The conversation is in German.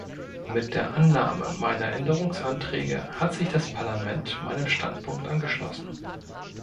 Mit der Annahme meiner Änderungsanträge hat sich das Parlament meinem Standpunkt angeschlossen.